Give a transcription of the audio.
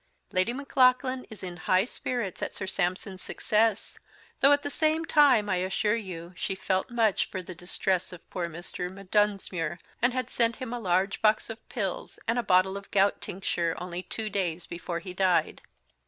Lady Maclaughlan is in High spirits at Sir Sampson's Success, though, at the Same Time, I assure you, she Felt much for the Distress of poor Mr. M'Dunsmuir, and had sent him a Large Box of Pills, and a Bottle of Gout Tincture, only two days before he died.